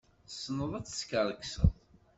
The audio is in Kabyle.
Tessneḍ ad teskerkseḍ.